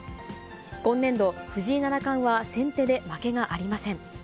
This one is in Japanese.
今年度、藤井七冠は先手で負けがありません。